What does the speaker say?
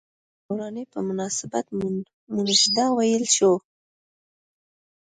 ددې دورانيې پۀ مناسبت مونږدا وئيلی شو ۔